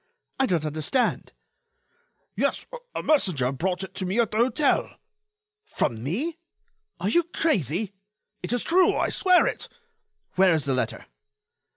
I don't understand." "Yes, a messenger brought it to me at the hotel." "From me? Are you crazy?" "It is true—I swear it." "Where is the letter?"